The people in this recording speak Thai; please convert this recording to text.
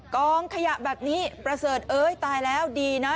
กองขยะแบบนี้ประเสริฐเอ้ยตายแล้วดีนะ